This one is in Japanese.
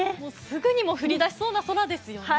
すぐにも降りだしそうな雲ですよね。